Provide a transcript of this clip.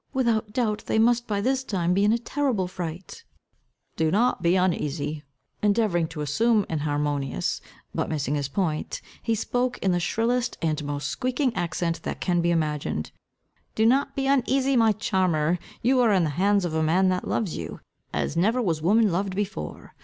Without doubt, they must by this time be in a terrible fright." "Do not be uneasy," cried his lordship, endeavouring to assume an harmonious, but missing his point, he spoke in the shrillest and most squeaking accent that can be imagined. "Do not be uneasy, my charmer. You are in the hands of a man, that loves you, as never woman was loved before.